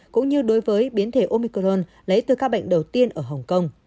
cũng như đối với biến thể omicron lấy từ ca bệnh đầu tiên ở hồng kông